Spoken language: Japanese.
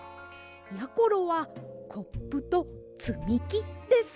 やころはコップとつみきです。